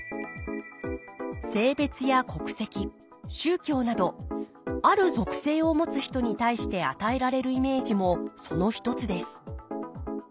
性別や国籍宗教などある属性を持つ人に対して与えられるイメージもその一つです